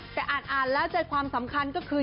แต่อ่านแล้วใจความสำคัญก็คือ